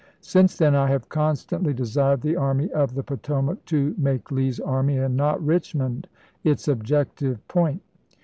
Since then I have constantly desired the Army of the Potomac to make Lee's army, and not Richmond, its objective point.